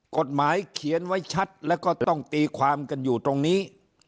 กฎหมายเขียนไว้ชัดแล้วก็ต้องตีความกันอยู่ตรงนี้